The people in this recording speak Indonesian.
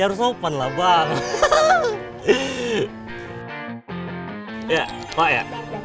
harus sopan lah banget ya pak ya